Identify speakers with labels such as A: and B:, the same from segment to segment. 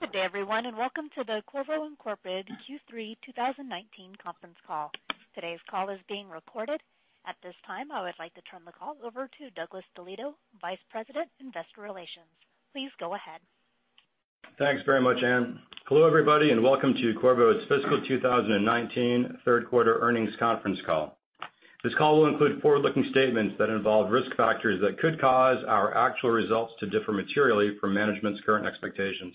A: Good day everyone, and welcome to the Qorvo, Inc. Q3 2019 conference call. Today's call is being recorded. At this time, I would like to turn the call over to Douglas DeLieto, Vice President, Investor Relations. Please go ahead.
B: Thanks very much, Anne. Hello, everybody, and welcome to Qorvo's fiscal 2019 third quarter earnings conference call. This call will include forward-looking statements that involve risk factors that could cause our actual results to differ materially from management's current expectations.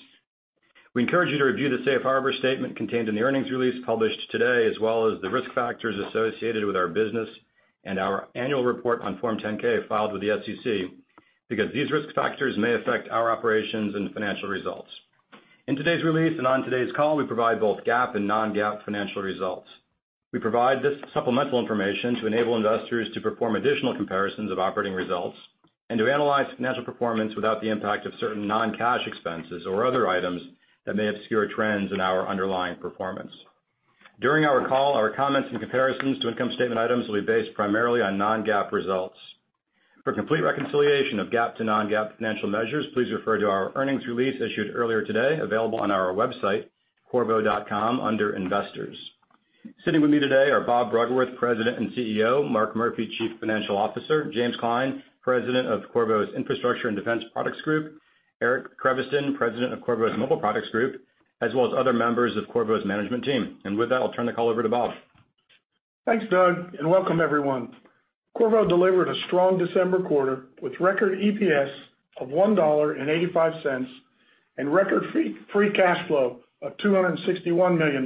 B: We encourage you to review the safe harbor statement contained in the earnings release published today, as well as the risk factors associated with our business and our annual report on Form 10-K filed with the SEC, because these risk factors may affect our operations and financial results. In today's release and on today's call, we provide both GAAP and non-GAAP financial results. We provide this supplemental information to enable investors to perform additional comparisons of operating results, and to analyze financial performance without the impact of certain non-cash expenses or other items that may obscure trends in our underlying performance. During our call, our comments and comparisons to income statement items will be based primarily on non-GAAP results. For complete reconciliation of GAAP to non-GAAP financial measures, please refer to our earnings release issued earlier today, available on our website, qorvo.com, under Investors. Sitting with me today are Bob Bruggeworth, President and CEO, Mark Murphy, Chief Financial Officer, James Klein, President of Infrastructure and Defense Products, Eric Creviston, President of Mobile Products, as well as other members of Qorvo's management team. With that, I'll turn the call over to Bob.
C: Thanks, Doug, and welcome everyone. Qorvo delivered a strong December quarter with record EPS of $1.85 and record free cash flow of $261 million.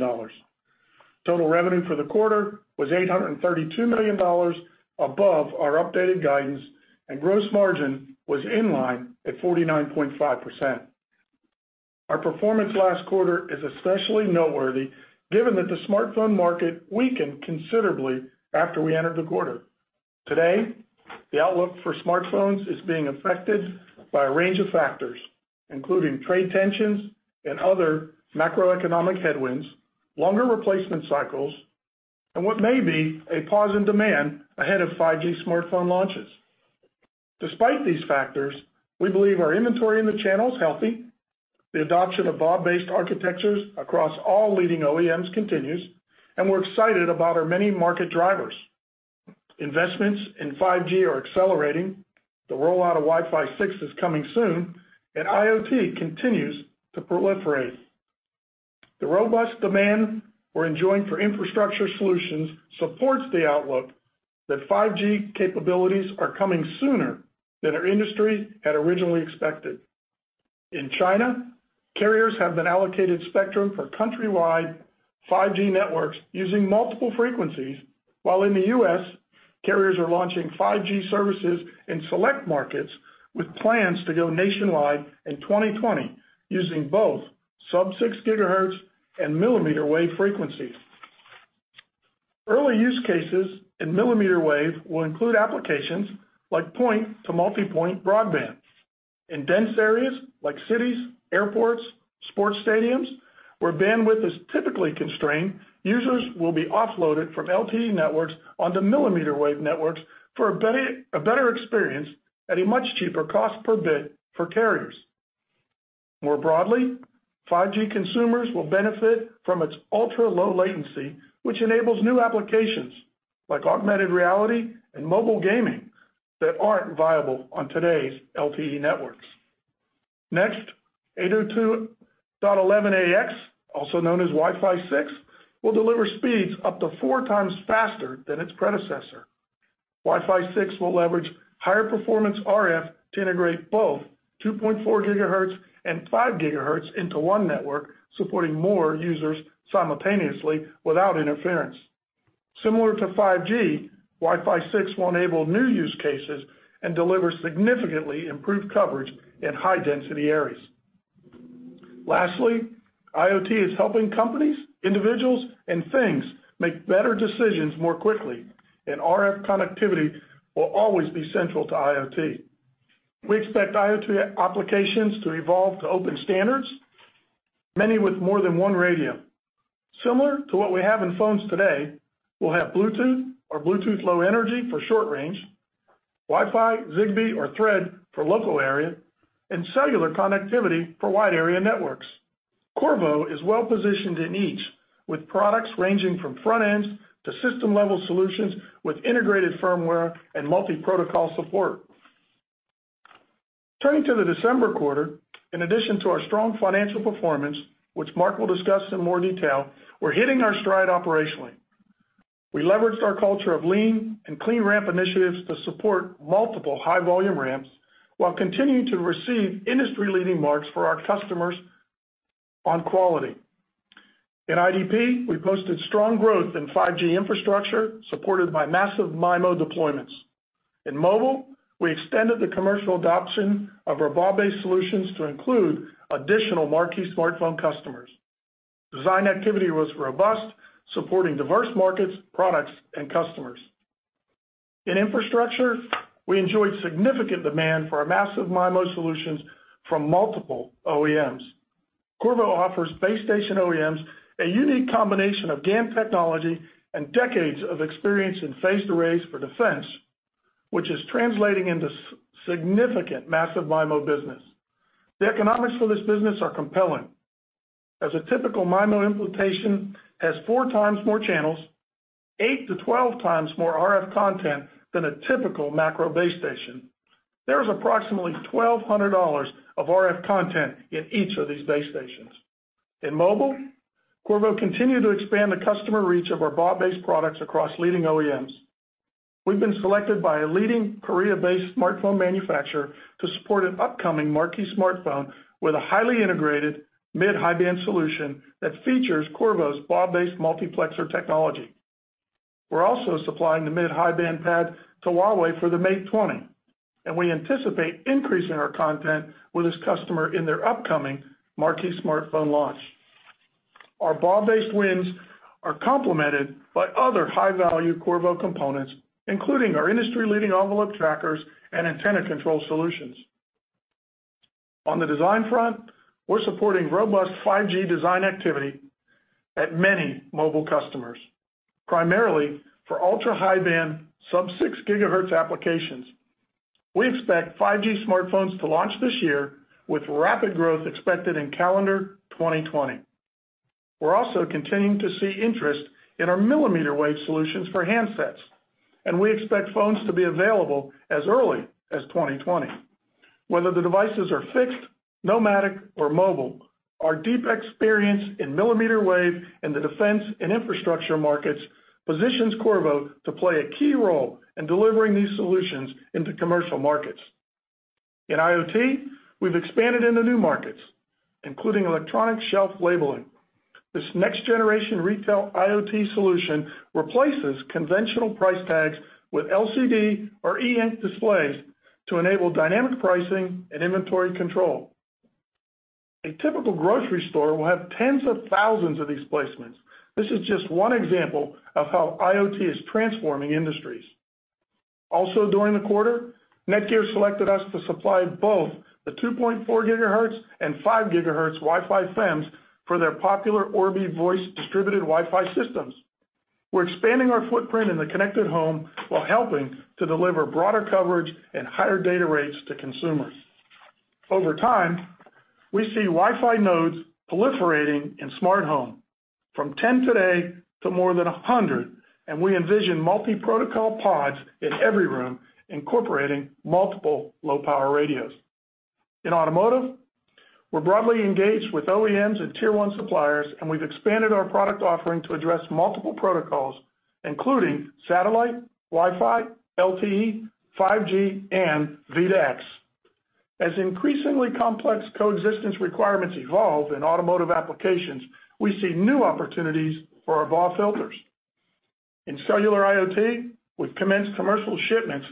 C: Total revenue for the quarter was $832 million above our updated guidance, and gross margin was in line at 49.5%. Our performance last quarter is especially noteworthy given that the smartphone market weakened considerably after we entered the quarter. Today, the outlook for smartphones is being affected by a range of factors, including trade tensions and other macroeconomic headwinds, longer replacement cycles, and what may be a pause in demand ahead of 5G smartphone launches. Despite these factors, we believe our inventory in the channel is healthy. The adoption of BAW-based architectures across all leading OEMs continues, and we're excited about our many market drivers. Investments in 5G are accelerating. The rollout of Wi-Fi 6 is coming soon, and IoT continues to proliferate. The robust demand we're enjoying for infrastructure solutions supports the outlook that 5G capabilities are coming sooner than our industry had originally expected. In China, carriers have been allocated spectrum for countrywide 5G networks using multiple frequencies, while in the U.S., carriers are launching 5G services in select markets with plans to go nationwide in 2020 using both sub-6 gigahertz and millimeter wave frequencies. Early use cases in millimeter wave will include applications like point to multipoint broadband. In dense areas like cities, airports, sports stadiums, where bandwidth is typically constrained, users will be offloaded from LTE networks onto millimeter wave networks for a better experience at a much cheaper cost per bit for carriers. More broadly, 5G consumers will benefit from its ultra-low latency, which enables new applications like augmented reality and mobile gaming that aren't viable on today's LTE networks. 802.11ax, also known as Wi-Fi 6, will deliver speeds up to four times faster than its predecessor. Wi-Fi 6 will leverage higher performance RF to integrate both 2.4 gigahertz and 5 gigahertz into one network, supporting more users simultaneously without interference. Similar to 5G, Wi-Fi 6 will enable new use cases and deliver significantly improved coverage in high-density areas. IoT is helping companies, individuals, and things make better decisions more quickly, and RF connectivity will always be central to IoT. We expect IoT applications to evolve to open standards, many with more than one radio. Similar to what we have in phones today, we'll have Bluetooth or Bluetooth low energy for short range, Wi-Fi, Zigbee, or Thread for local area, and cellular connectivity for wide area networks. Qorvo is well positioned in each, with products ranging from front ends to system-level solutions with integrated firmware and multi-protocol support. Turning to the December quarter, in addition to our strong financial performance, which Mark will discuss in more detail, we're hitting our stride operationally. We leveraged our culture of lean and clean ramp initiatives to support multiple high-volume ramps while continuing to receive industry-leading marks for our customers on quality. In IDP, we posted strong growth in 5G infrastructure supported by Massive MIMO deployments. In Mobile, we extended the commercial adoption of our BAW-based solutions to include additional marquee smartphone customers. Design activity was robust, supporting diverse markets, products, and customers. In Infrastructure, we enjoyed significant demand for our Massive MIMO solutions from multiple OEMs. Qorvo offers base station OEMs a unique combination of GaN technology and decades of experience in phased arrays for defense, which is translating into significant Massive MIMO business. The economics for this business are compelling. A typical MIMO implementation has four times more channels, 8 to 12 times more RF content than a typical macro base station. There is approximately $1,200 of RF content in each of these base stations. In Mobile, Qorvo continued to expand the customer reach of our BAW-based products across leading OEMs. We've been selected by a leading Korea-based smartphone manufacturer to support an upcoming marquee smartphone with a highly integrated mid-high band solution that features Qorvo's BAW-based multiplexer technology. We're also supplying the mid-high band PAD to Huawei for the Mate 20, and we anticipate increasing our content with this customer in their upcoming marquee smartphone launch. Our BAW-based wins are complemented by other high-value Qorvo components, including our industry-leading envelope trackers and antenna control solutions. On the design front, we're supporting robust 5G design activity at many Mobile customers, primarily for ultra-high band sub-6 gigahertz applications. We expect 5G smartphones to launch this year with rapid growth expected in calendar 2020. We're also continuing to see interest in our millimeter wave solutions for handsets. We expect phones to be available as early as 2020. Whether the devices are fixed, nomadic, or mobile, our deep experience in millimeter wave and the defense and infrastructure markets positions Qorvo to play a key role in delivering these solutions into commercial markets. In IoT, we've expanded into new markets, including electronic shelf labeling. This next generation retail IoT solution replaces conventional price tags with LCD or E Ink displays to enable dynamic pricing and inventory control. A typical grocery store will have tens of thousands of these placements. This is just one example of how IoT is transforming industries. Also, during the quarter, NETGEAR selected us to supply both the 2.4 gigahertz and five gigahertz Wi-Fi FEMs for their popular Orbi Voice distributed Wi-Fi systems. We're expanding our footprint in the connected home while helping to deliver broader coverage and higher data rates to consumers. Over time, we see Wi-Fi nodes proliferating in smart home from 10 today to more than 100. We envision multi-protocol pods in every room incorporating multiple low-power radios. In automotive, we're broadly engaged with OEMs and tier one suppliers. We've expanded our product offering to address multiple protocols, including satellite, Wi-Fi, LTE, 5G, and V2X. As increasingly complex coexistence requirements evolve in automotive applications, we see new opportunities for our BAW filters. In cellular IoT, we've commenced commercial shipments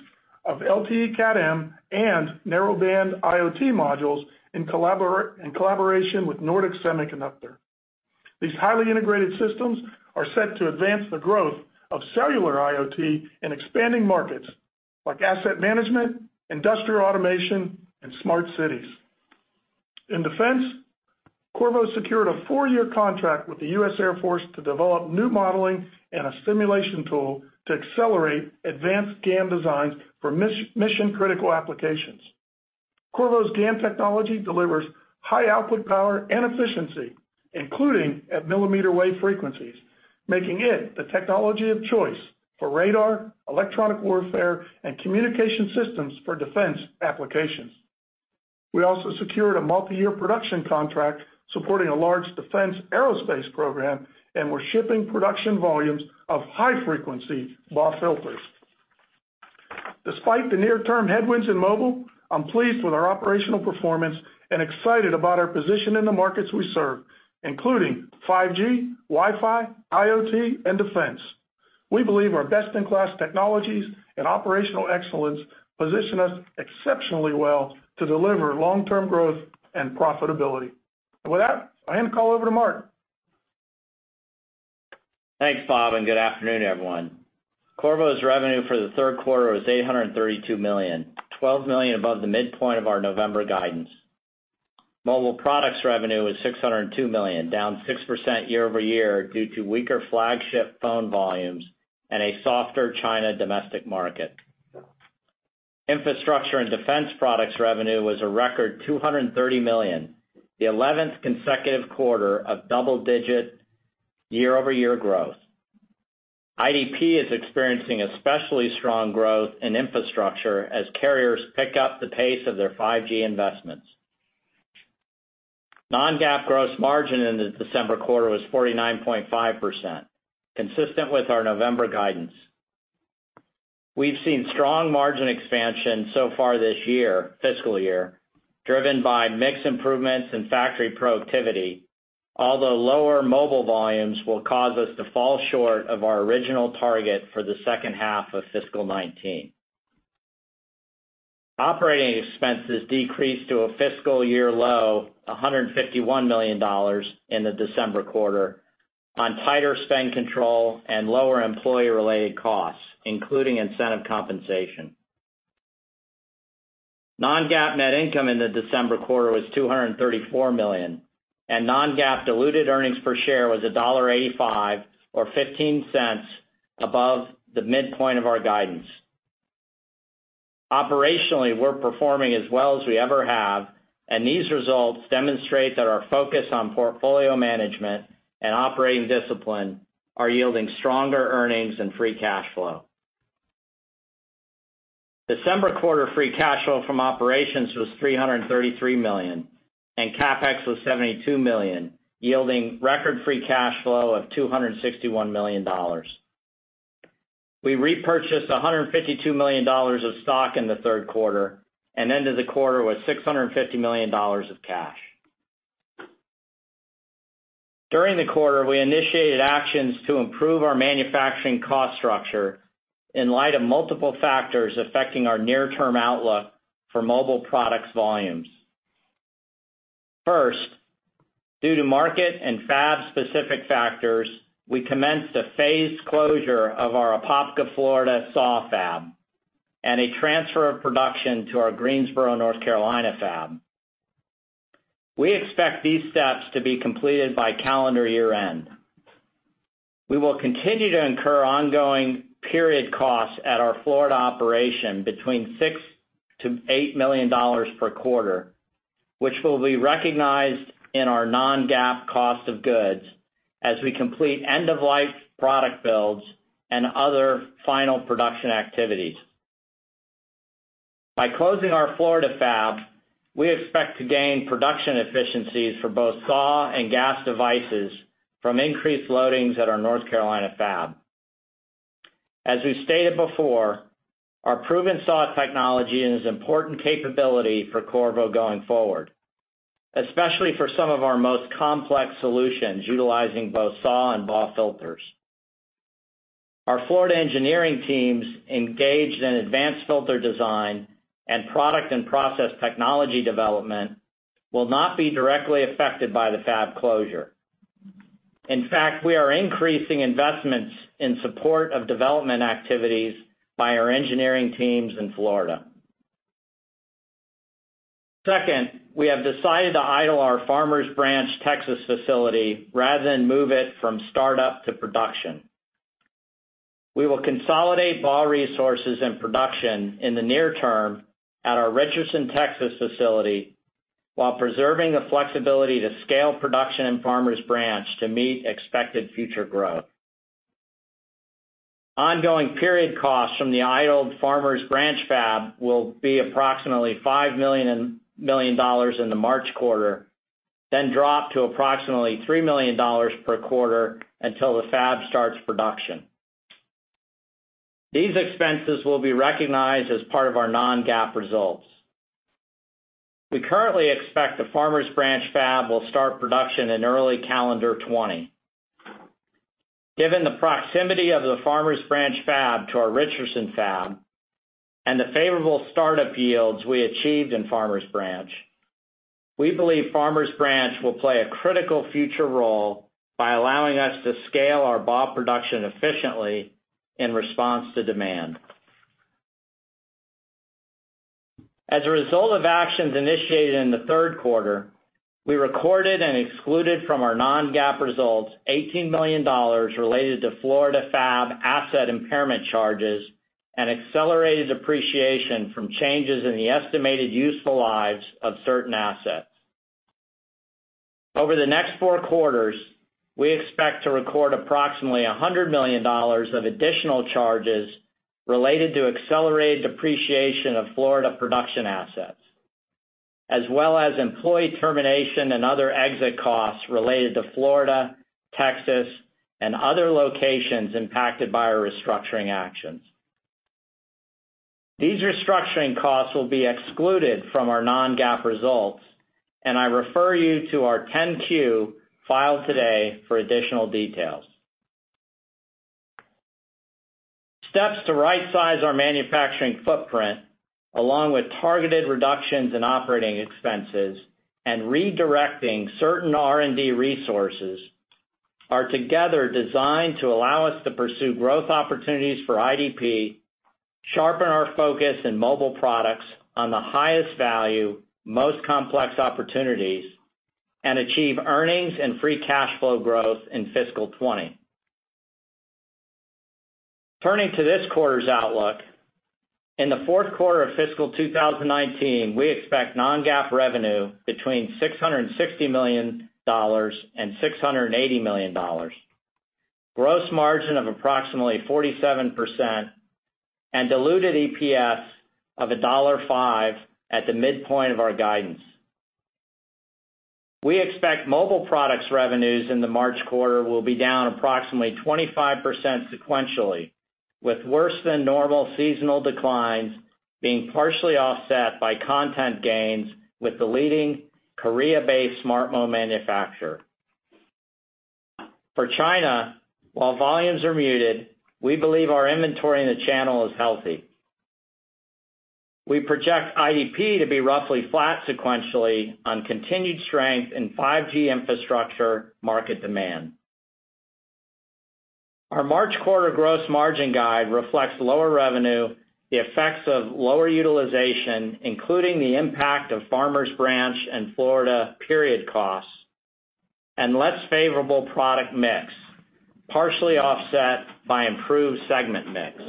C: of LTE Cat M and Narrowband IoT modules in collaboration with Nordic Semiconductor. These highly integrated systems are set to advance the growth of cellular IoT in expanding markets like asset management, industrial automation, and smart cities. In defense, Qorvo secured a four-year contract with the U.S. Air Force to develop new modeling and a simulation tool to accelerate advanced GaN designs for mission-critical applications. Qorvo's GaN technology delivers high output power and efficiency, including at millimeter wave frequencies, making it the technology of choice for radar, electronic warfare, and communication systems for defense applications. We also secured a multi-year production contract supporting a large defense aerospace program. We're shipping production volumes of high-frequency BAW filters. Despite the near-term headwinds in mobile, I'm pleased with our operational performance and excited about our position in the markets we serve, including 5G, Wi-Fi, IoT, and defense. We believe our best-in-class technologies and operational excellence position us exceptionally well to deliver long-term growth and profitability. With that, I hand the call over to Mark.
D: Thanks, Bob, good afternoon, everyone. Qorvo's revenue for the third quarter was $832 million, $12 million above the midpoint of our November guidance. Mobile Products revenue was $602 million, down 6% year-over-year due to weaker flagship phone volumes and a softer China domestic market. Infrastructure and Defense Products revenue was a record $230 million, the 11th consecutive quarter of double-digit year-over-year growth. IDP is experiencing especially strong growth in infrastructure as carriers pick up the pace of their 5G investments. Non-GAAP gross margin in the December quarter was 49.5%, consistent with our November guidance. We've seen strong margin expansion so far this year, fiscal year, driven by mix improvements and factory productivity, although lower mobile volumes will cause us to fall short of our original target for the second half of fiscal 2019. Operating expenses decreased to a fiscal year low $151 million in the December quarter on tighter spend control and lower employee-related costs, including incentive compensation. Non-GAAP net income in the December quarter was $234 million, non-GAAP diluted earnings per share was $1.85 or $0.15 above the midpoint of our guidance. Operationally, we're performing as well as we ever have, these results demonstrate that our focus on portfolio management and operating discipline are yielding stronger earnings and free cash flow. December quarter free cash flow from operations was $333 million, CapEx was $72 million, yielding record free cash flow of $261 million. We repurchased $152 million of stock in the third quarter and ended the quarter with $650 million of cash. During the quarter, we initiated actions to improve our manufacturing cost structure in light of multiple factors affecting our near-term outlook for mobile products volumes. First, due to market and fab-specific factors, we commenced a phased closure of our Apopka, Florida, SAW fab and a transfer of production to our Greensboro, North Carolina, fab. We expect these steps to be completed by calendar year-end. We will continue to incur ongoing period costs at our Florida operation between $6 million-$8 million per quarter, which will be recognized in our non-GAAP cost of goods as we complete end-of-life product builds and other final production activities. By closing our Florida fab, we expect to gain production efficiencies for both SAW and GaAs devices from increased loadings at our North Carolina fab. As we stated before, our proven SAW technology is an important capability for Qorvo going forward, especially for some of our most complex solutions utilizing both SAW and BAW filters. Our Florida engineering teams engaged in advanced filter design and product and process technology development will not be directly affected by the fab closure. In fact, we are increasing investments in support of development activities by our engineering teams in Florida. Second, we have decided to idle our Farmers Branch, Texas, facility rather than move it from startup to production. We will consolidate BAW resources and production in the near term at our Richardson, Texas, facility while preserving the flexibility to scale production in Farmers Branch to meet expected future growth. Ongoing period costs from the idled Farmers Branch fab will be approximately $5 million in the March quarter, then drop to approximately $3 million per quarter until the fab starts production. These expenses will be recognized as part of our non-GAAP results. We currently expect the Farmers Branch fab will start production in early calendar 2020. Given the proximity of the Farmers Branch fab to our Richardson fab and the favorable startup yields we achieved in Farmers Branch, we believe Farmers Branch will play a critical future role by allowing us to scale our BAW production efficiently in response to demand. As a result of actions initiated in the third quarter, we recorded and excluded from our non-GAAP results $18 million related to Florida fab asset impairment charges and accelerated depreciation from changes in the estimated useful lives of certain assets. Over the next four quarters, we expect to record approximately $100 million of additional charges related to accelerated depreciation of Florida production assets, as well as employee termination and other exit costs related to Florida, Texas, and other locations impacted by our restructuring actions. These restructuring costs will be excluded from our non-GAAP results, and I refer you to our 10-Q filed today for additional details. Steps to rightsize our manufacturing footprint, along with targeted reductions in operating expenses and redirecting certain R&D resources, are together designed to allow us to pursue growth opportunities for IDP, sharpen our focus in Mobile Products on the highest value, most complex opportunities, and achieve earnings and free cash flow growth in fiscal 2020. Turning to this quarter's outlook, in the fourth quarter of fiscal 2019, we expect non-GAAP revenue between $660 million-$680 million, gross margin of approximately 47%, and diluted EPS of $1.05 at the midpoint of our guidance. We expect Mobile Products revenues in the March quarter will be down approximately 25% sequentially, with worse than normal seasonal declines being partially offset by content gains with the leading Korea-based smartphone manufacturer. For China, while volumes are muted, we believe our inventory in the channel is healthy. We project IDP to be roughly flat sequentially on continued strength in 5G infrastructure market demand. Our March quarter gross margin guide reflects lower revenue, the effects of lower utilization, including the impact of Farmers Branch and Florida period costs, and less favorable product mix, partially offset by improved segment mix.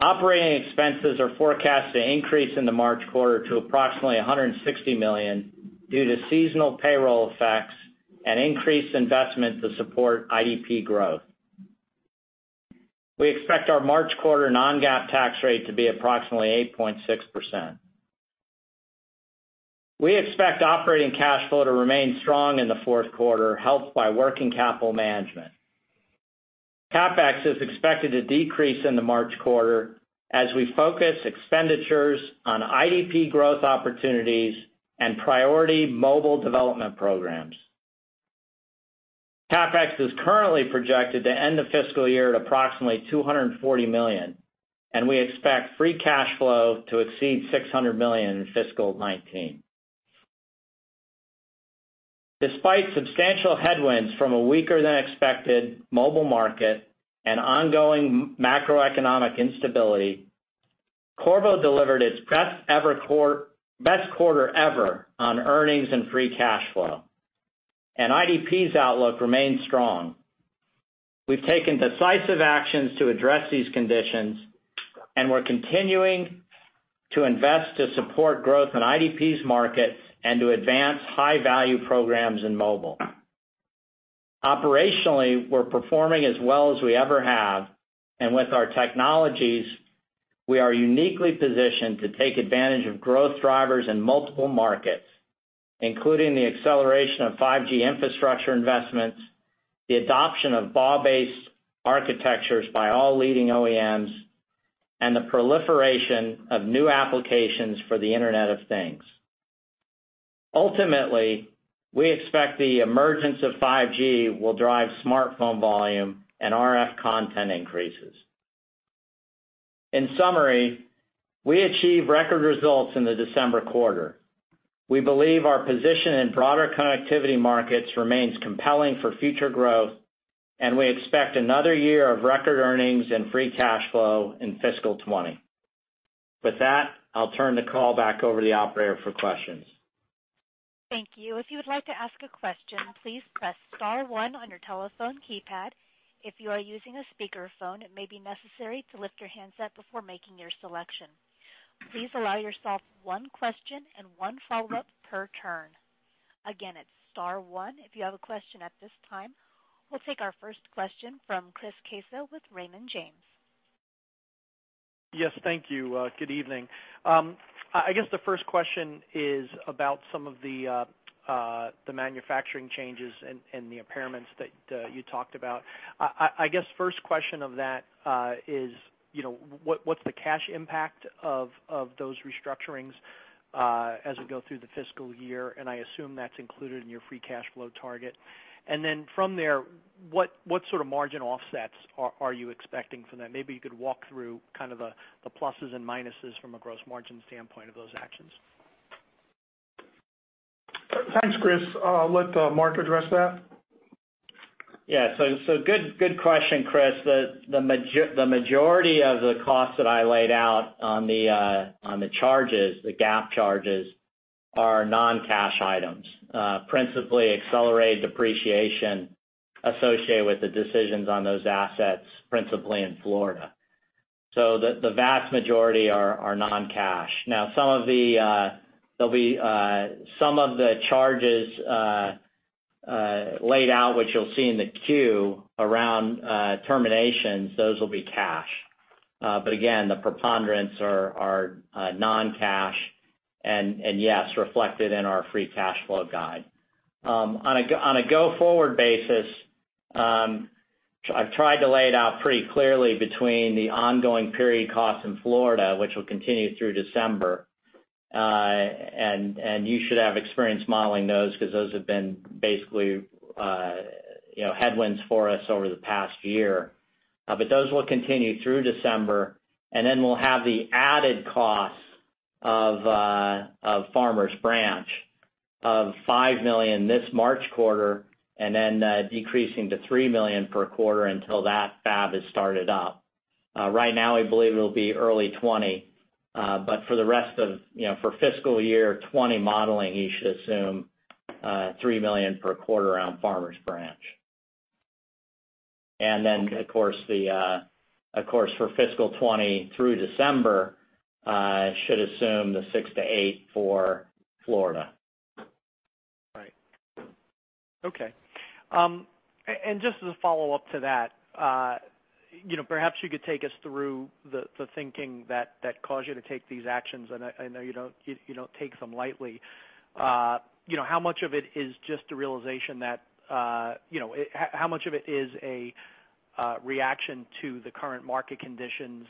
D: Operating expenses are forecast to increase in the March quarter to approximately $160 million due to seasonal payroll effects and increased investments to support IDP growth. We expect our March quarter non-GAAP tax rate to be approximately 8.6%. We expect operating cash flow to remain strong in the fourth quarter, helped by working capital management. CapEx is expected to decrease in the March quarter as we focus expenditures on IDP growth opportunities and priority mobile development programs. CapEx is currently projected to end the fiscal year at approximately $240 million, and we expect free cash flow to exceed $600 million in fiscal 2019. Despite substantial headwinds from a weaker-than-expected mobile market and ongoing macroeconomic instability, Qorvo delivered its best quarter ever on earnings and free cash flow, and IDP's outlook remains strong. We've taken decisive actions to address these conditions, and we're continuing to invest to support growth in IDP's market and to advance high-value programs in mobile. Operationally, we're performing as well as we ever have, and with our technologies, we are uniquely positioned to take advantage of growth drivers in multiple markets, including the acceleration of 5G infrastructure investments, the adoption of BAW-based architectures by all leading OEMs, and the proliferation of new applications for the Internet of Things. Ultimately, we expect the emergence of 5G will drive smartphone volume and RF content increases. In summary, we achieved record results in the December quarter. We believe our position in broader connectivity markets remains compelling for future growth, and we expect another year of record earnings and free cash flow in fiscal 2020. With that, I'll turn the call back over to the operator for questions. Thank you. If you would like to ask a question, please press *1 on your telephone keypad. If you are using a speakerphone, it may be necessary to lift your handset before making your selection. Please allow yourself one question and one follow-up per turn. Again, it's *1 if you have a question at this time. We'll take our first question from Chris Caso with Raymond James.
E: Yes, thank you. Good evening. I guess the first question is about some of the manufacturing changes and the impairments that you talked about. I guess first question of that is, what's the cash impact of those restructurings as we go through the fiscal year, and I assume that's included in your free cash flow target. Then from there, what sort of margin offsets are you expecting from that? Maybe you could walk through kind of the pluses and minuses from a gross margin standpoint of those actions.
D: Thanks, Chris. I'll let Mark address that. Good question, Chris. The majority of the costs that I laid out on the GAAP charges are non-cash items, principally accelerated depreciation associated with the decisions on those assets, principally in Florida. The vast majority are non-cash. Some of the charges laid out, which you'll see in the Q around terminations, those will be cash. Again, the preponderance are non-cash and yes, reflected in our free cash flow guide. On a go-forward basis, I've tried to lay it out pretty clearly between the ongoing period costs in Florida, which will continue through December, and you should have experience modeling those because those have been basically headwinds for us over the past year. Those will continue through December, and then we'll have the added cost of Farmers Branch of $5 million this March quarter, and then decreasing to $3 million per quarter until that fab is started up. Right now, we believe it'll be early 2020. For fiscal year 2020 modeling, you should assume $3 million per quarter on Farmers Branch. Then, of course, for fiscal 2020 through December, should assume the $6 million-$8 million for Florida.
E: Right. Okay. Just as a follow-up to that, perhaps you could take us through the thinking that caused you to take these actions, and I know you don't take them lightly. How much of it is a reaction to the current market conditions,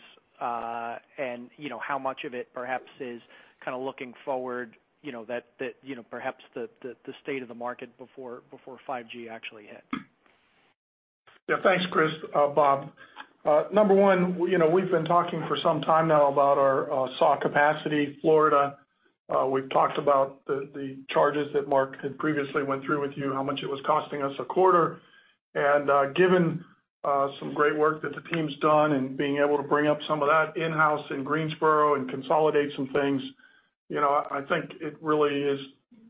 E: and how much of it, perhaps, is kind of looking forward that perhaps the state of the market before 5G actually hits?
C: Yeah. Thanks, Chris, Bob. Number one, we've been talking for some time now about our SAW capacity, Florida. We've talked about the charges that Mark had previously went through with you, how much it was costing us a quarter. Given some great work that the team's done and being able to bring up some of that in-house in Greensboro and consolidate some things, I think it really is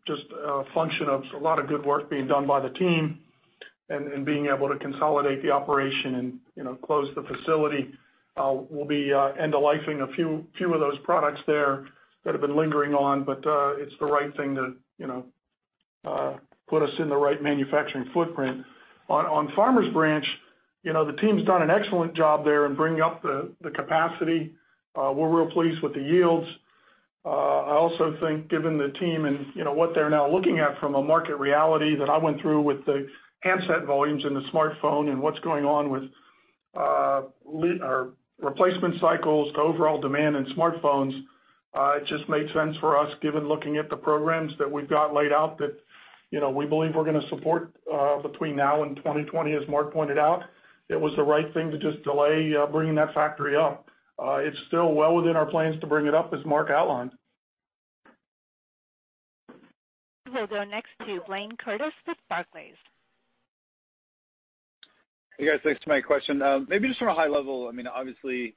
C: just a function of a lot of good work being done by the team and being able to consolidate the operation and close the facility. We'll be end-of-lifing a few of those products there that have been lingering on, but it's the right thing to put us in the right manufacturing footprint. On Farmers Branch, the team's done an excellent job there in bringing up the capacity. We're real pleased with the yields. I also think given the team and what they're now looking at from a market reality that I went through with the handset volumes and the smartphone and what's going on with replacement cycles to overall demand in smartphones, it just made sense for us given looking at the programs that we've got laid out that we believe we're going to support between now and 2020, as Mark pointed out. It was the right thing to just delay bringing that factory up. It's still well within our plans to bring it up, as Mark outlined.
A: We'll go next to Blayne Curtis with Barclays.
F: Hey, guys. Thanks for my question. Maybe just from a high level, obviously,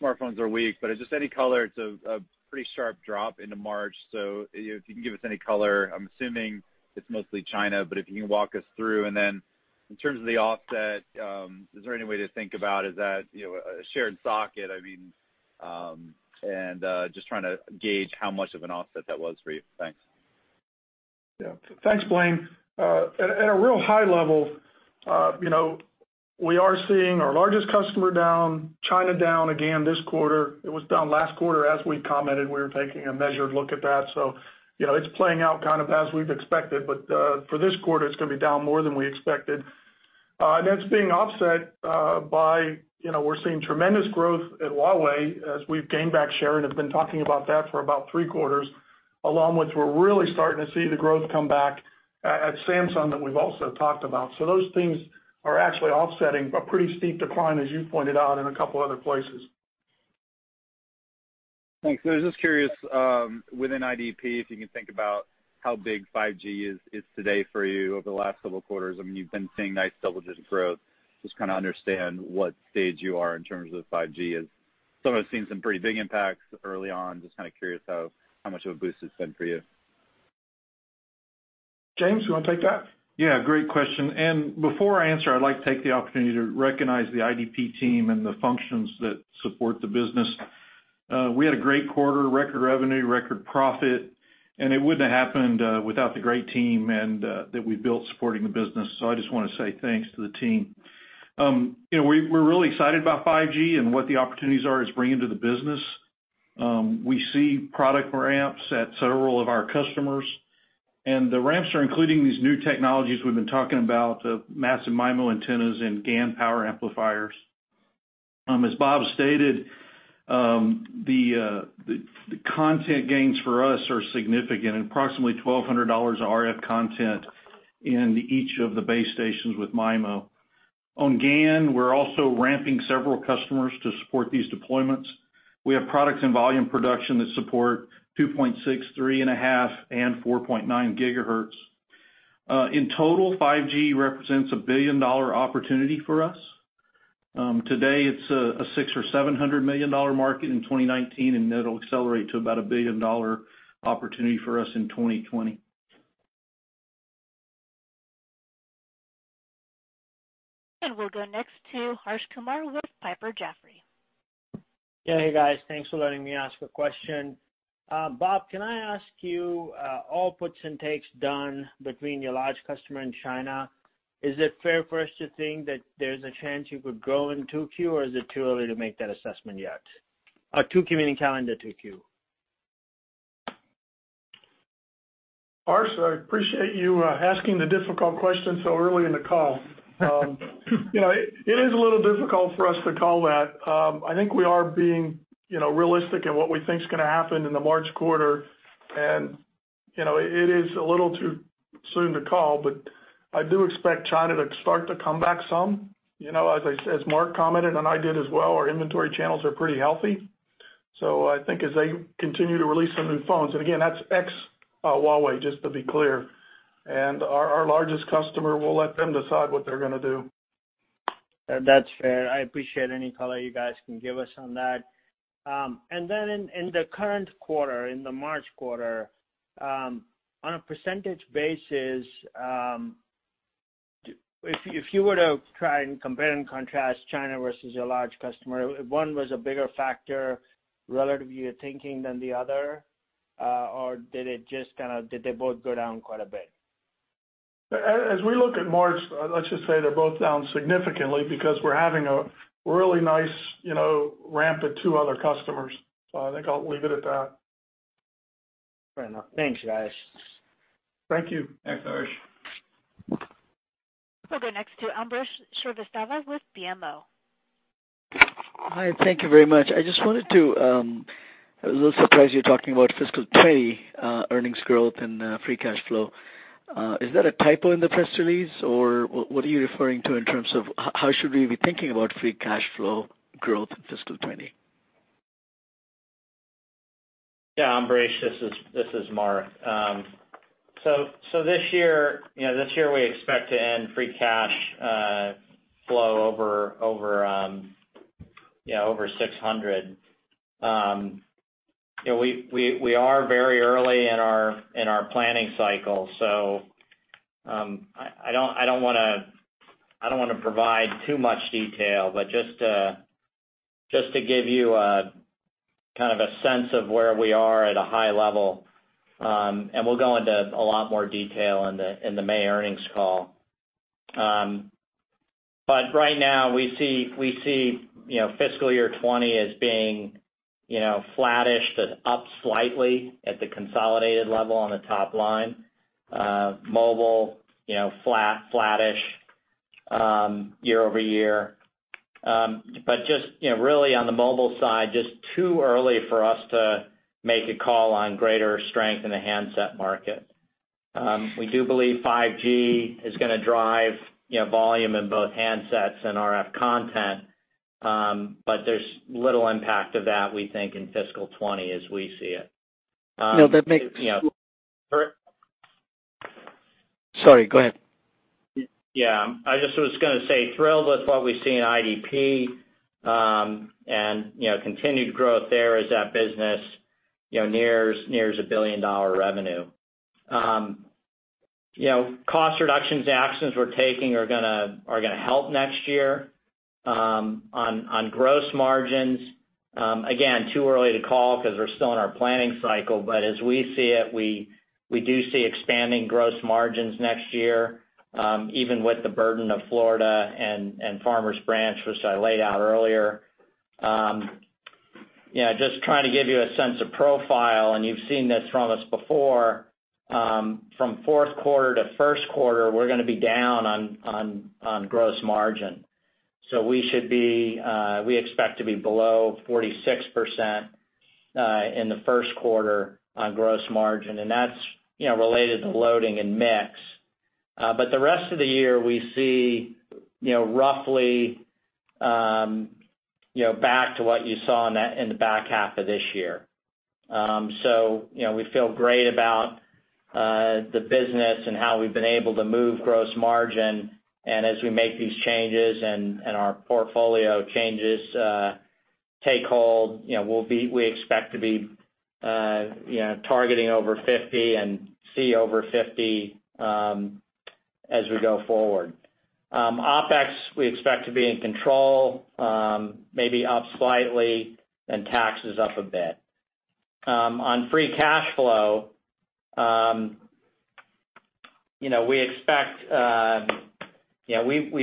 F: smartphones are weak, but just any color, it's a pretty sharp drop into March. If you can give us any color, I'm assuming it's mostly China, but if you can walk us through. In terms of the offset, is there any way to think about, is that a shared socket? I mean, just trying to gauge how much of an offset that was for you. Thanks.
C: Yeah. Thanks, Blayne. At a real high level, we are seeing our largest customer down, China down again this quarter. It was down last quarter as we commented, we were taking a measured look at that. It's playing out kind of as we've expected, but for this quarter, it's going to be down more than we expected. That's being offset by we're seeing tremendous growth at Huawei as we've gained back share and have been talking about that for about three quarters, along with we're really starting to see the growth come back at Samsung that we've also talked about. Those things are actually offsetting a pretty steep decline, as you pointed out in a couple other places.
F: Thanks. I was just curious, within IDP, if you can think about how big 5G is today for you over the last several quarters. I mean, you've been seeing nice double-digit growth. Just kind of understand what stage you are in terms of 5G as some have seen some pretty big impacts early on. Just kind of curious how much of a boost it's been for you.
C: James, you want to take that?
G: Yeah, great question. Before I answer, I'd like to take the opportunity to recognize the IDP team and the functions that support the business. We had a great quarter, record revenue, record profit. It wouldn't have happened without the great team that we built supporting the business. I just want to say thanks to the team. We're really excited about 5G and what the opportunities are it's bringing to the business. We see product ramps at several of our customers. The ramps are including these new technologies we've been talking about, Massive MIMO antennas and GaN power amplifiers. As Bob stated, the content gains for us are significant, approximately $1,200 RF content in each of the base stations with MIMO. On GaN, we're also ramping several customers to support these deployments. We have products in volume production that support 2.6, 3.5 and 4.9 gigahertz. In total, 5G represents a billion-dollar opportunity for us. Today, it's a $600 or $700 million market in 2019. That'll accelerate to about a billion-dollar opportunity for us in 2020.
A: We'll go next to Harsh Kumar with Piper Jaffray.
H: Yeah. Hey, guys. Thanks for letting me ask a question. Bob, can I ask you, all puts and takes done between your large customer and China, is it fair for us to think that there's a chance you could grow in 2Q, or is it too early to make that assessment yet? 2Q meaning calendar 2Q.
C: Harsh, I appreciate you asking the difficult question so early in the call. It is a little difficult for us to call that. I think we are being realistic in what we think is gonna happen in the March quarter, and it is a little too soon to call, but I do expect China to start to come back some. As Mark commented, and I did as well, our inventory channels are pretty healthy. I think as they continue to release some new phones, and again, that's ex Huawei, just to be clear, and our largest customer, we'll let them decide what they're gonna do.
H: That's fair. I appreciate any color you guys can give us on that. In the current quarter, in the March quarter, on a percentage basis, if you were to try and compare and contrast China versus your large customer, one was a bigger factor relative to your thinking than the other, or did they both go down quite a bit?
C: As we look at March, let's just say they're both down significantly because we're having a really nice ramp at two other customers. I think I'll leave it at that.
H: Fair enough. Thanks, guys.
C: Thank you.
G: Thanks, Harsh.
A: We'll go next to Ambrish Srivastava with BMO.
I: Hi, thank you very much. I was a little surprised you're talking about fiscal 2020 earnings growth and free cash flow. Is that a typo in the press release, or what are you referring to in terms of how should we be thinking about free cash flow growth in fiscal 2020?
D: Ambrish, this is Mark. This year, we expect to end free cash flow over $600. We are very early in our planning cycle, so I don't want to provide too much detail, but just to give you a sense of where we are at a high level, and we'll go into a lot more detail in the May earnings call. Right now we see fiscal year 2020 as being flattish to up slightly at the consolidated level on the top line. Mobile, flattish year-over-year. Just really on the Mobile side, just too early for us to make a call on greater strength in the handset market. We do believe 5G is going to drive volume in both handsets and RF content, but there's little impact of that, we think, in fiscal 2020 as we see it.
I: No, that makes-
D: You know.
I: Sorry, go ahead.
D: I just was going to say, thrilled with what we see in IDP, and continued growth there as that business nears a billion-dollar revenue. Cost reduction actions we're taking are going to help next year. On gross margins, again, too early to call because we're still in our planning cycle, but as we see it, we do see expanding gross margins next year, even with the burden of Florida and Farmers Branch, which I laid out earlier. Just trying to give you a sense of profile, and you've seen this from us before, from fourth quarter to first quarter, we're going to be down on gross margin. We expect to be below 46% in the first quarter on gross margin, and that's related to loading and mix. The rest of the year, we see roughly back to what you saw in the back half of this year. We feel great about the business and how we've been able to move gross margin, and as we make these changes and our portfolio changes take hold, we expect to be targeting over 50 and see over 50 as we go forward. OpEx, we expect to be in control, maybe up slightly, and taxes up a bit. On free cash flow, we've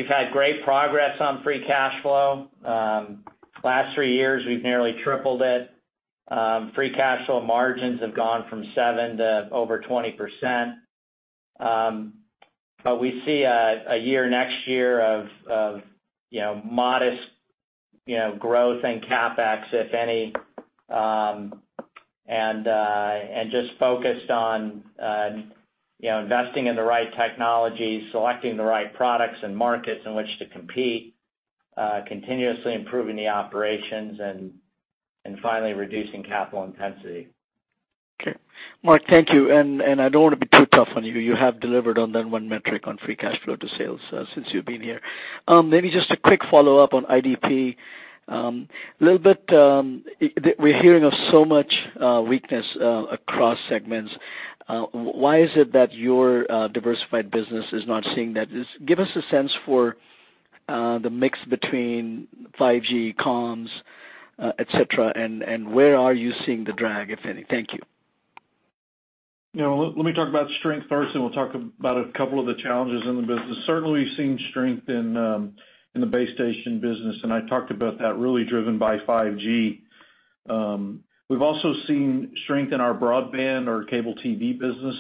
D: had great progress on free cash flow. Last three years, we've nearly tripled it. Free cash flow margins have gone from seven to over 20%. We see a year next year of modest growth in CapEx, if any, and just focused on investing in the right technologies, selecting the right products and markets in which to compete, continuously improving the operations and finally reducing capital intensity.
I: Okay. Mark, thank you. I don't want to be too tough on you. You have delivered on that one metric on free cash flow to sales since you've been here. Maybe just a quick follow-up on IDP. We're hearing of so much weakness across segments. Why is it that your diversified business is not seeing that? Give us a sense for the mix between 5G, comms, et cetera, and where are you seeing the drag, if any? Thank you.
G: Let me talk about strength first. We'll talk about a couple of the challenges in the business. Certainly, we've seen strength in the base station business. I talked about that really driven by 5G. We've also seen strength in our broadband, our cable TV business,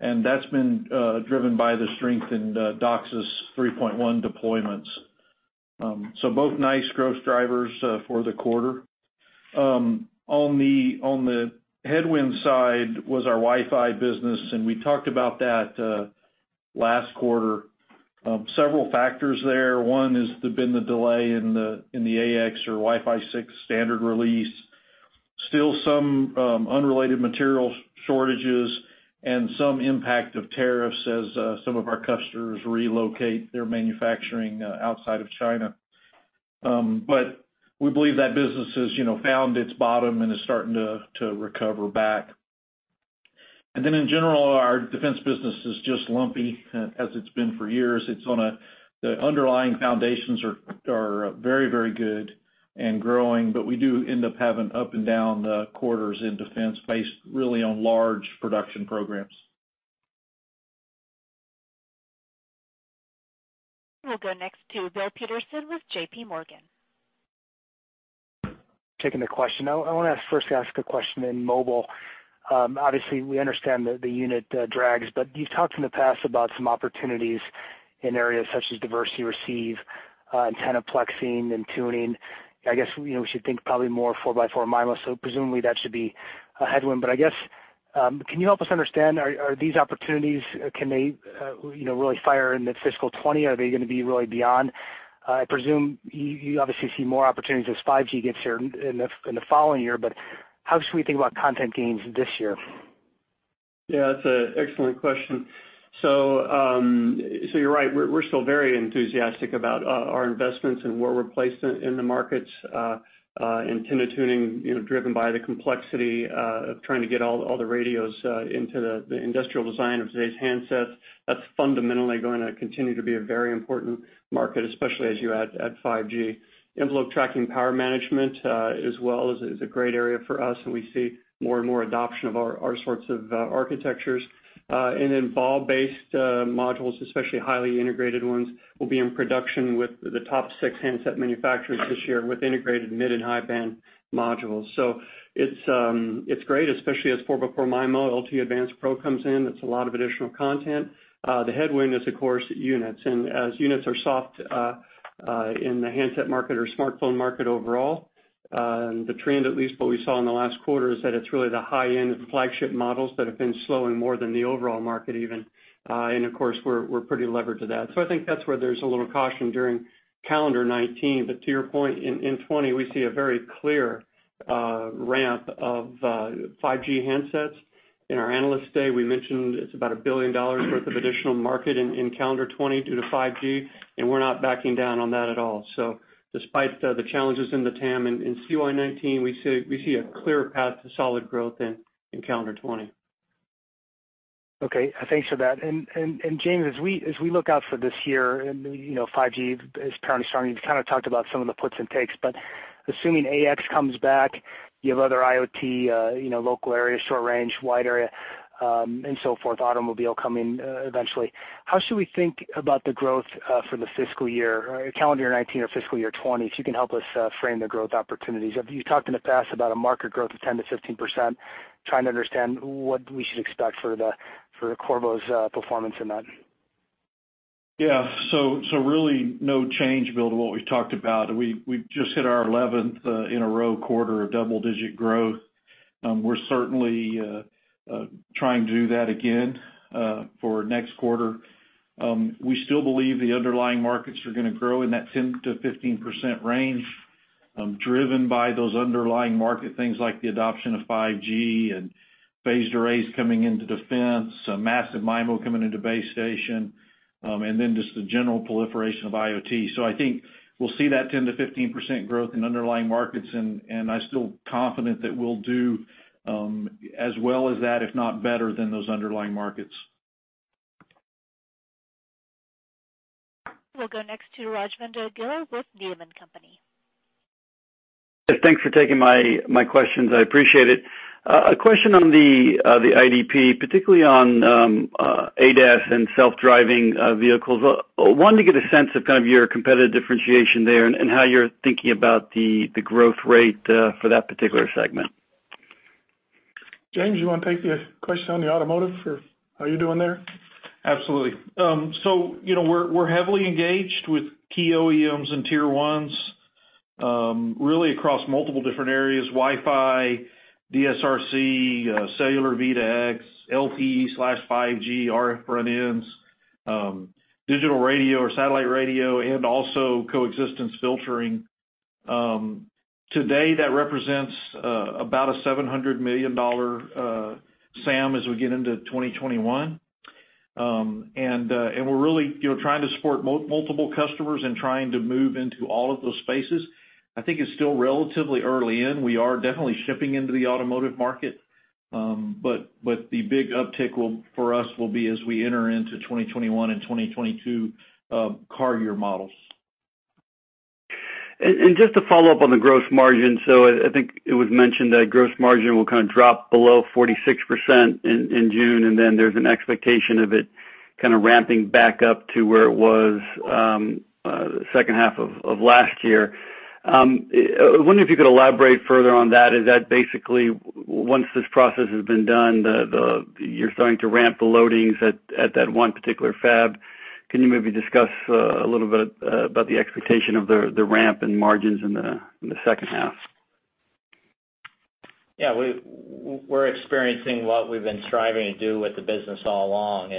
G: and that's been driven by the strength in DOCSIS 3.1 deployments. Both nice growth drivers for the quarter. On the headwind side was our Wi-Fi business. We talked about that last quarter. Several factors there. One has been the delay in the AX or Wi-Fi 6 standard release. Still some unrelated material shortages and some impact of tariffs as some of our customers relocate their manufacturing outside of China. We believe that business has found its bottom and is starting to recover back. In general, our defense business is just lumpy as it's been for years. The underlying foundations are very good and growing. We do end up having up and down quarters in defense based really on large production programs.
A: We'll go next to Bill Peterson with JPMorgan.
J: Taking the question. I want to first ask a question in Mobile. Obviously, we understand that the unit drags, but you've talked in the past about some opportunities in areas such as diversity receive, antenna plexing, and tuning. I guess, we should think probably more 4x4 MIMO. Presumably, that should be a headwind. I guess, can you help us understand, are these opportunities, can they really fire in the fiscal 2020? Are they going to be really beyond? I presume you obviously see more opportunities as 5G gets here in the following year. How should we think about content gains this year?
K: Yeah, that's an excellent question. You're right. We're still very enthusiastic about our investments and where we're placed in the markets. antenna tuning, driven by the complexity of trying to get all the radios into the industrial design of today's handsets. That's fundamentally going to continue to be a very important market, especially as you add 5G. Envelope tracking power management, as well as, is a great area for us, and we see more and more adoption of our sorts of architectures. BAW-based modules, especially highly integrated ones, will be in production with the top six handset manufacturers this year with integrated mid and high-band modules. It's great, especially as 4x4 MIMO, LTE Advanced Pro comes in, that's a lot of additional content. The headwind is, of course, units. units are soft in the handset market or smartphone market overall, the trend, at least what we saw in the last quarter, is that it's really the high-end flagship models that have been slowing more than the overall market even. Of course, we're pretty levered to that. I think that's where there's a little caution during calendar 2019. To your point, in 2020, we see a very clear ramp of 5G handsets. In our Analyst Day, we mentioned it's about $1 billion worth of additional market in calendar 2020 due to 5G, and we're not backing down on that at all. Despite the challenges in the TAM and in CY 2019, we see a clear path to solid growth in calendar 2020.
J: Okay, thanks for that. James, as we look out for this year and 5G is apparently starting, you've kind of talked about some of the puts and takes, but assuming AX comes back, you have other IoT, local area short range, wide area, and so forth, automobile coming eventually. How should we think about the growth for the fiscal year, calendar 2019 or fiscal year 2020? If you can help us frame the growth opportunities. You've talked in the past about a market growth of 10%-15%, trying to understand what we should expect for Qorvo's performance in that.
G: Yeah. Really, no change, Bill, to what we've talked about. We've just hit our 11th in a row quarter of double-digit growth. We're certainly trying to do that again for next quarter. We still believe the underlying markets are gonna grow in that 10%-15% range, driven by those underlying market things like the adoption of 5G and phased arrays coming into defense, Massive MIMO coming into base station, and then just the general proliferation of IoT. I think we'll see that 10%-15% growth in underlying markets, and I'm still confident that we'll do as well as that, if not better than those underlying markets.
A: We'll go next to Rajvindra Gill with Needham & Company.
L: Thanks for taking my questions. I appreciate it. A question on the IDP, particularly on ADAS and self-driving vehicles. One, to get a sense of kind of your competitive differentiation there and how you're thinking about the growth rate for that particular segment.
G: James, you want to take the question on the automotive, or are you doing there?
K: We're heavily engaged with key OEMs and Tier 1s, really across multiple different areas, Wi-Fi, DSRC, cellular V2X, LTE/5G, RF front ends, digital radio or satellite radio, and also coexistence filtering. Today, that represents about a $700 million SAM as we get into 2021. We're really trying to support multiple customers and trying to move into all of those spaces. I think it's still relatively early in. We are definitely shipping into the automotive market. The big uptick for us will be as we enter into 2021 and 2022 car year models.
L: Just to follow up on the gross margin, so I think it was mentioned that gross margin will kind of drop below 46% in June, and then there's an expectation of it kind of ramping back up to where it was second half of last year. I wonder if you could elaborate further on that. Is that basically, once this process has been done, you're starting to ramp the loadings at that one particular fab? Can you maybe discuss a little bit about the expectation of the ramp and margins in the second half?
D: Yeah. We're experiencing what we've been striving to do with the business all along,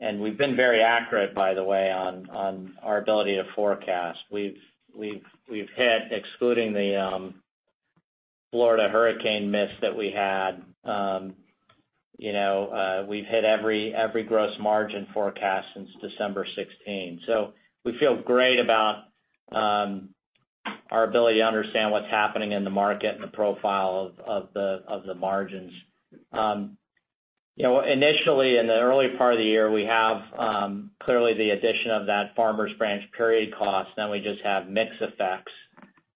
D: and we've been very accurate, by the way, on our ability to forecast. Excluding the Florida hurricane miss that we had, we've hit every gross margin forecast since December 2016. We feel great about our ability to understand what's happening in the market and the profile of the margins. Initially, in the early part of the year, we have clearly the addition of that Farmers Branch period cost, then we just have mix effects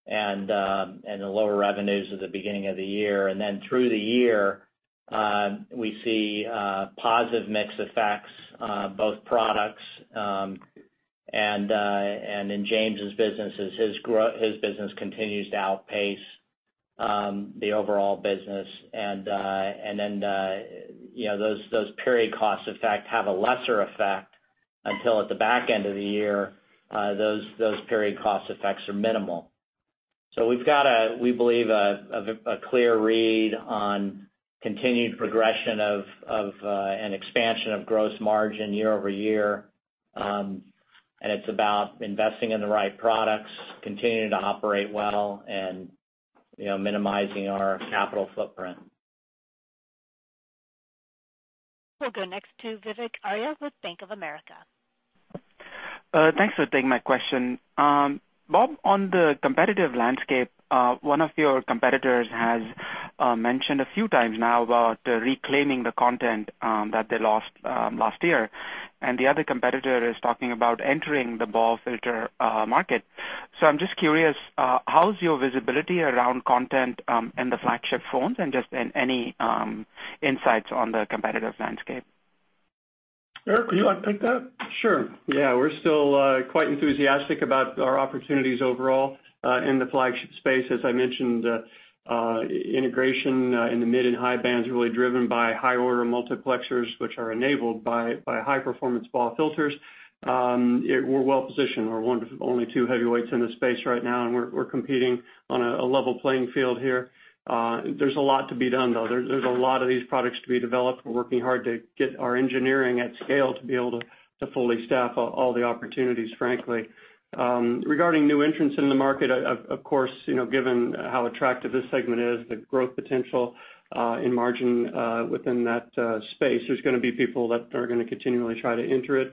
D: and the lower revenues at the beginning of the year. Then through the year, we see positive mix effects, both products, and in James' businesses, his business continues to outpace the overall business. Then those period costs, in fact, have a lesser effect until at the back end of the year, those period cost effects are minimal. We've got, we believe, a clear read on continued progression of an expansion of gross margin year-over-year, it's about investing in the right products, continuing to operate well and minimizing our capital footprint.
A: We'll go next to Vivek Arya with Bank of America.
M: Thanks for taking my question. Bob, on the competitive landscape, one of your competitors has mentioned a few times now about reclaiming the content that they lost last year, the other competitor is talking about entering the BAW filter market. I'm just curious, how's your visibility around content in the flagship phones and just any insights on the competitive landscape?
C: Eric, would you like to take that?
K: Sure. Yeah. We're still quite enthusiastic about our opportunities overall in the flagship space. As I mentioned, integration in the mid and high bands are really driven by higher order multiplexers, which are enabled by high performance BAW filters. We're well positioned. We're one of only two heavyweights in this space right now, and we're competing on a level playing field here. There's a lot to be done, though. There's a lot of these products to be developed. We're working hard to get our engineering at scale to be able to fully staff all the opportunities, frankly. Regarding new entrants in the market, of course, given how attractive this segment is, the growth potential in margin within that space, there's gonna be people that are gonna continually try to enter it.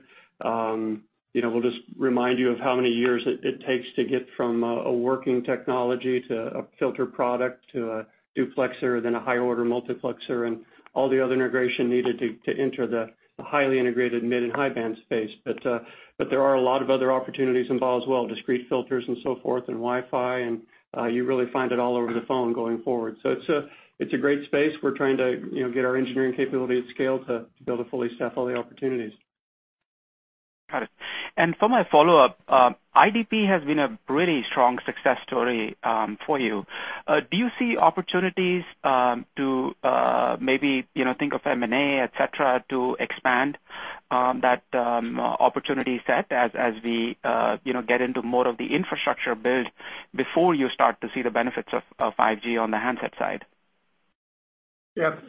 K: We'll just remind you of how many years it takes to get from a working technology to a filter product, to a duplexer, then a higher order multiplexer, and all the other integration needed to enter the highly integrated mid and high band space. There are a lot of other opportunities in BAW as well, discrete filters and so forth and Wi-Fi, and you really find it all over the phone going forward. It's a great space. We're trying to get our engineering capability at scale to be able to fully staff all the opportunities.
M: Got it. For my follow-up, IDP has been a pretty strong success story for you. Do you see opportunities to maybe think of M&A, et cetera, to expand that opportunity set as we get into more of the infrastructure build before you start to see the benefits of 5G on the handset side?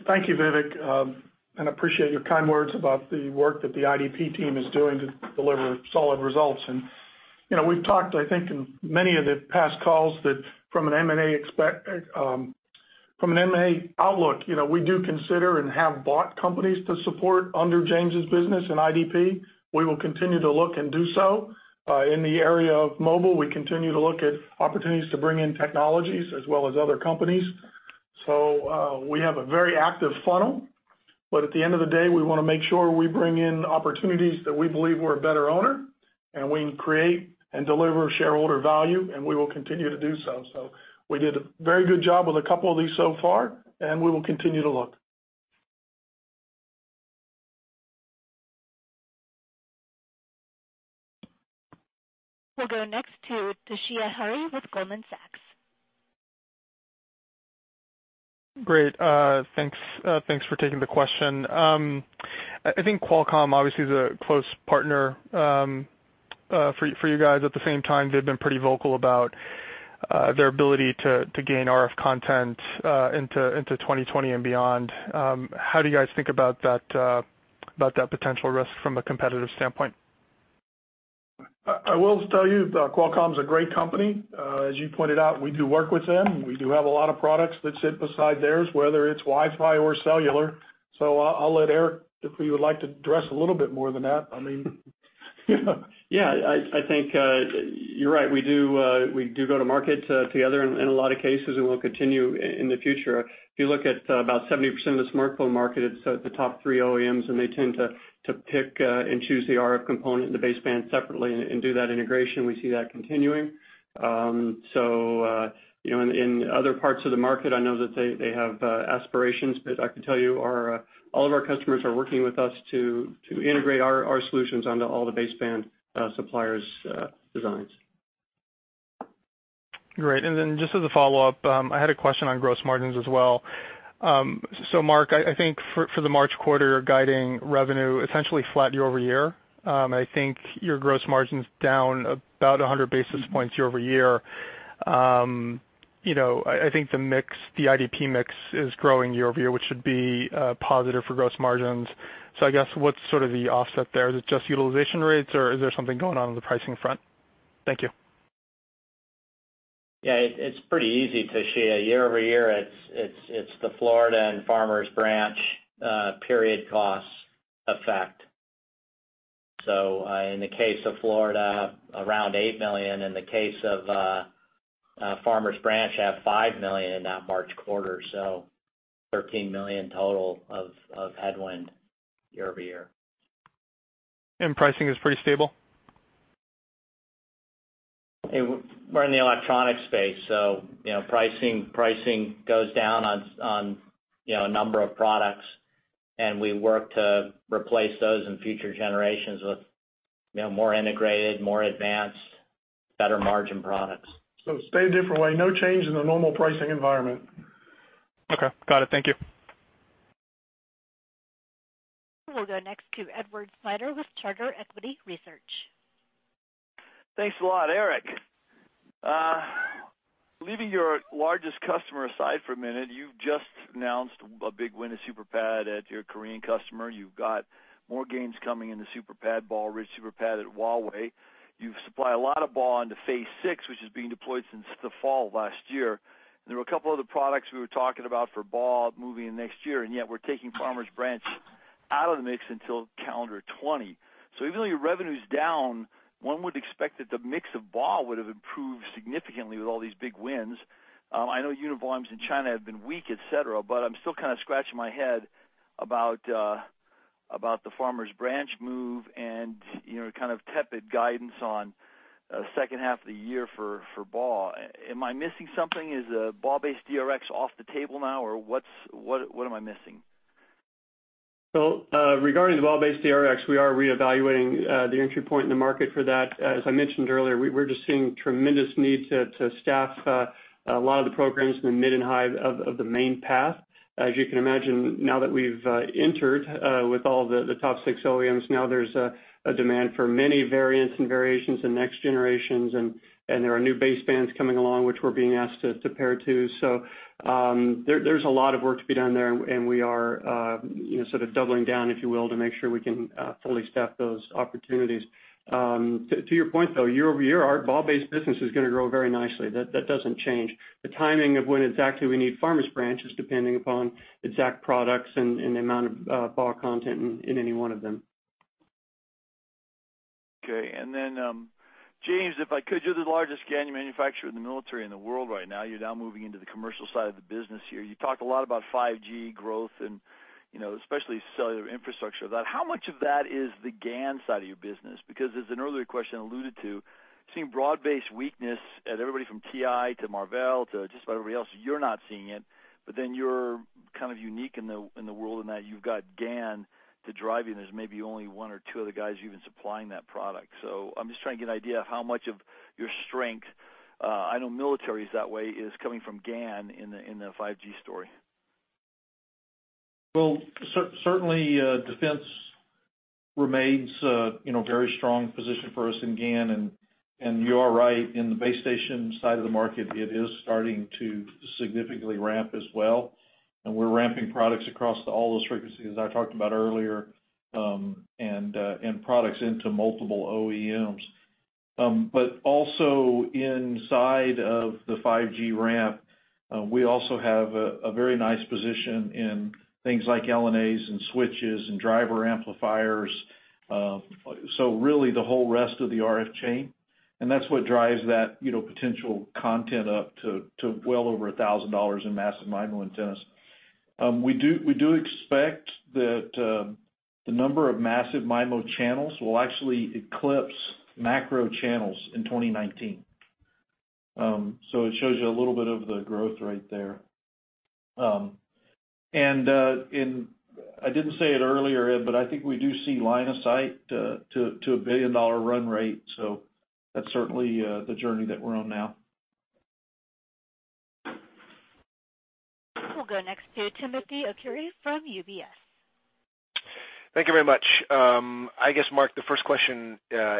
C: Thank you, Vivek, and appreciate your kind words about the work that the IDP team is doing to deliver solid results. We've talked, I think, in many of the past calls that from an M&A outlook, we do consider and have bought companies to support under James's business in IDP. We will continue to look and do so. In the area of mobile, we continue to look at opportunities to bring in technologies as well as other companies. We have a very active funnel, but at the end of the day, we wanna make sure we bring in opportunities that we believe we're a better owner, and we create and deliver shareholder value, and we will continue to do so. We did a very good job with a couple of these so far, and we will continue to look.
A: We'll go next to Toshiya Hari with Goldman Sachs.
N: Great. Thanks for taking the question. I think Qualcomm obviously is a close partner for you guys. At the same time, they've been pretty vocal about their ability to gain RF content into 2020 and beyond. How do you guys think about that potential risk from a competitive standpoint?
C: I will tell you, Qualcomm's a great company. As you pointed out, we do work with them. We do have a lot of products that sit beside theirs, whether it's Wi-Fi or cellular. I'll let Eric, if you would like to address a little bit more than that.
K: Yeah. I think you're right. We do go to market together in a lot of cases, and we'll continue in the future. If you look at about 70% of the smartphone market, it's the top three OEMs, and they tend to pick and choose the RF component and the baseband separately and do that integration. We see that continuing. In other parts of the market, I know that they have aspirations, but I can tell you all of our customers are working with us to integrate our solutions onto all the baseband suppliers' designs.
N: Great. Then just as a follow-up, I had a question on gross margins as well. Mark, I think for the March quarter, guiding revenue essentially flat year-over-year. I think your gross margin's down about 100 basis points year-over-year. I think the IDP mix is growing year-over-year, which should be positive for gross margins. I guess, what's sort of the offset there? Is it just utilization rates, or is there something going on in the pricing front? Thank you.
D: Yeah. It's pretty easy, Toshiya. Year-over-year, it's the Florida and Farmers Branch period costs effect. In the case of Florida, around $8 million. In the case of Farmers Branch at $5 million in that March quarter. $13 million total of headwind year-over-year.
N: Pricing is pretty stable?
D: We're in the electronic space, pricing goes down on a number of products, and we work to replace those in future generations with more integrated, more advanced, better margin products.
G: To state a different way, no change in the normal pricing environment.
N: Okay. Got it. Thank you.
A: We'll go next to Edward Snyder with Charter Equity Research.
O: Thanks a lot. Eric, leaving your largest customer aside for a minute, you've just announced a big win of S-PAD at your Korean customer. You've got more gains coming in the S-PAD GaN at Huawei. You supply a lot of GaN into phase six, which is being deployed since the fall of last year. There were a couple other products we were talking about for GaN moving into next year, and yet we're taking Farmers Branch out of the mix until calendar 2020. Even though your revenue's down, one would expect that the mix of GaN would have improved significantly with all these big wins. I know unit volumes in China have been weak, et cetera, but I'm still kind of scratching my head about the Farmers Branch move and kind of tepid guidance on second half of the year for GaN. Am I missing something? Is GaN-based DRX off the table now, or what am I missing?
K: Regarding the GaN-based DRX, we are reevaluating the entry point in the market for that. As I mentioned earlier, we're just seeing tremendous need to staff a lot of the programs in the mid and high of the main path. As you can imagine now that we've entered with all the top six OEMs, there's a demand for many variants and variations and next generations, and there are new basebands coming along which we're being asked to pair to. There's a lot of work to be done there, and we are sort of doubling down, if you will, to make sure we can fully staff those opportunities. To your point, though, year-over-year, our GaN-based business is going to grow very nicely. That doesn't change. The timing of when exactly we need Farmers Branch is depending upon exact products and the amount of GaN content in any one of them.
O: James, if I could, you're the largest GaN manufacturer in the military in the world right now. You're now moving into the commercial side of the business here. You talked a lot about 5G growth and especially cellular infrastructure. How much of that is the GaN side of your business? As an earlier question alluded to, seeing broad-based weakness at everybody from TI to Marvell to just about everybody else, you're not seeing it, but then you're kind of unique in the world in that you've got GaN to drive you, and there's maybe only one or two other guys even supplying that product. I'm just trying to get an idea of how much of your strength, I know military's that way, is coming from GaN in the 5G story.
G: Certainly, defense remains a very strong position for us in GaN, and you are right, in the base station side of the market, it is starting to significantly ramp as well, and we're ramping products across all those frequencies I talked about earlier, and products into multiple OEMs. Also inside of the 5G ramp, we also have a very nice position in things like LNAs and switches and driver amplifiers, really the whole rest of the RF chain, and that's what drives that potential content up to well over $1,000 in Massive MIMO antennas. We do expect that the number of Massive MIMO channels will actually eclipse macro channels in 2019. It shows you a little bit of the growth right there. I didn't say it earlier, Ed, but I think we do see line of sight to a billion-dollar run rate. That's certainly the journey that we're on now.
A: We'll go next to Timothy Arcuri from UBS.
P: Thank you very much. I guess, Mark, the first question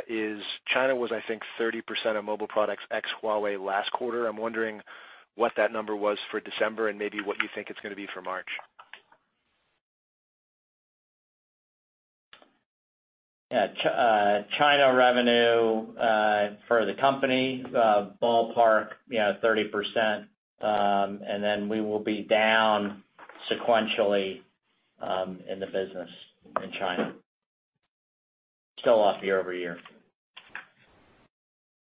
P: is, China was, I think, 30% of Mobile Products ex Huawei last quarter. I'm wondering what that number was for December and maybe what you think it's going to be for March.
D: Yeah. China revenue for the company, ballpark 30%, then we will be down sequentially, in the business in China. Still off year-over-year.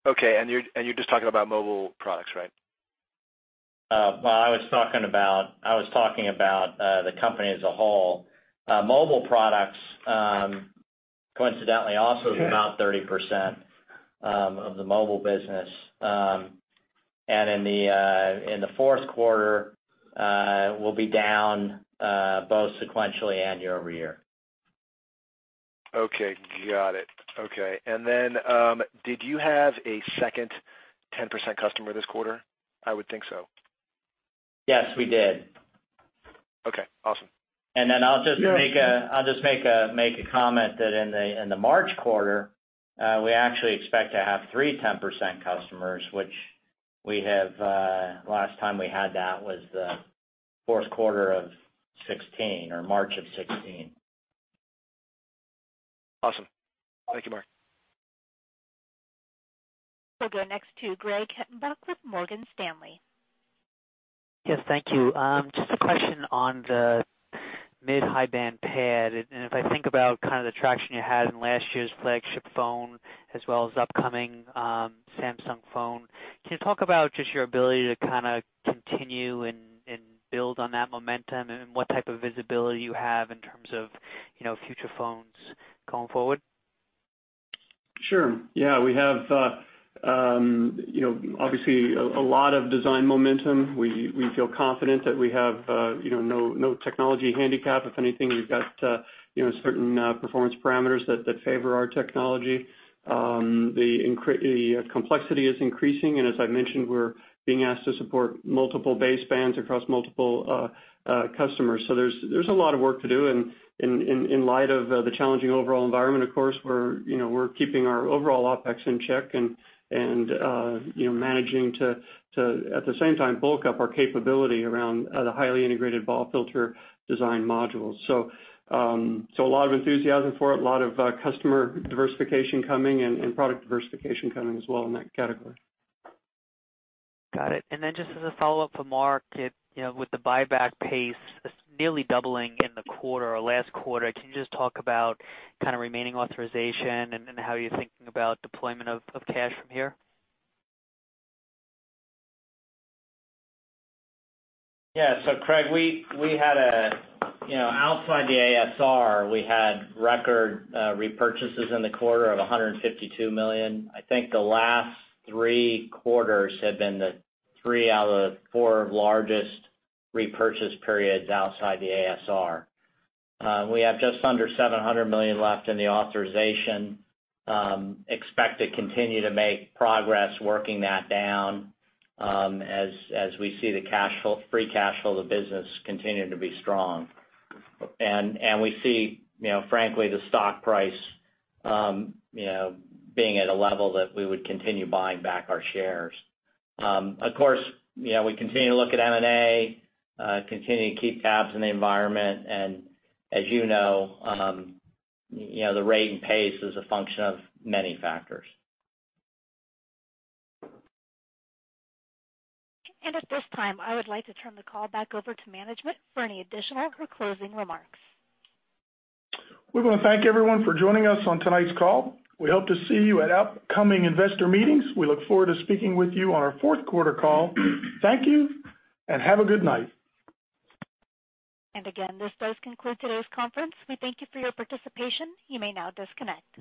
P: Okay, you're just talking about Mobile Products, right?
D: I was talking about the company as a whole. Mobile Products, coincidentally, also is about 30% of the mobile business. In the fourth quarter, we'll be down both sequentially and year-over-year.
P: Okay, got it. Okay. Did you have a second 10% customer this quarter? I would think so.
D: Yes, we did.
P: Okay, awesome.
D: I'll just make a comment that in the March quarter, we actually expect to have three 10% customers, which last time we had that was the fourth quarter of 2016 or March of 2016.
P: Awesome. Thank you, Mark.
A: We'll go next to Craig Hettenbach with Morgan Stanley.
Q: Yes, thank you. Just a question on the mid-high band PAD. If I think about kind of the traction you had in last year's flagship phone as well as upcoming Samsung phone, can you talk about just your ability to kind of continue and build on that momentum and what type of visibility you have in terms of future phones going forward?
K: Sure. Yeah, we have obviously a lot of design momentum. We feel confident that we have no technology handicap. If anything, we've got certain performance parameters that favor our technology. The complexity is increasing, as I mentioned, we're being asked to support multiple basebands across multiple customers. There's a lot of work to do, and in light of the challenging overall environment, of course, we're keeping our overall OpEx in check and managing to, at the same time, bulk up our capability around the highly integrated BAW filter design modules. A lot of enthusiasm for it, a lot of customer diversification coming and product diversification coming as well in that category.
Q: Got it. Just as a follow-up for Mark, with the buyback pace nearly doubling in the quarter or last quarter, can you just talk about kind of remaining authorization and how you're thinking about deployment of cash from here?
D: Yeah. Craig, outside the ASR, we had record repurchases in the quarter of $152 million. I think the last three quarters have been the three out of the four largest repurchase periods outside the ASR. We have just under $700 million left in the authorization. Expect to continue to make progress working that down as we see the free cash flow of the business continuing to be strong. We see frankly, the stock price being at a level that we would continue buying back our shares. Of course, we continue to look at M&A, continue to keep tabs in the environment, and as you know, the rate and pace is a function of many factors.
A: At this time, I would like to turn the call back over to management for any additional or closing remarks.
B: We want to thank everyone for joining us on tonight's call. We hope to see you at upcoming investor meetings. We look forward to speaking with you on our fourth quarter call. Thank you, and have a good night.
A: Again, this does conclude today's conference. We thank you for your participation. You may now disconnect.